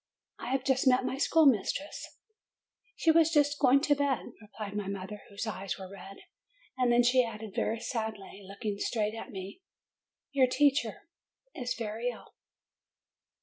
"I have just met my schoolmistress/' "She was just going to bed," replied my mother, whose eyes were red. And then she added very sadly, looking straight at me, "Your poor teacher is very ill."